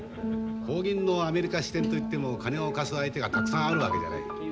邦銀のアメリカ支店と言っても金を貸す相手がたくさんあるわけじゃない。